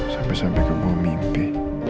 sampai sampai gue mimpi